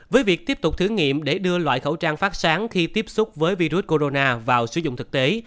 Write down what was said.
với việc tiếp tục thử nghiệm để đưa loại khẩu trang phát sáng khi tiếp xúc với virus corona vào sử dụng thực tế